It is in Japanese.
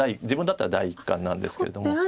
自分だったら第一感なんですけれども。